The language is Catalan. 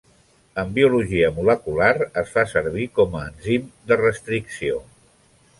En biologia molecular es fa servir com a enzim de restricció.